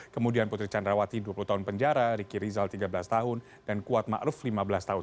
kemudian putri candrawati dua puluh tahun penjara riki rizal tiga belas tahun dan kuat ⁇ maruf ⁇ lima belas tahun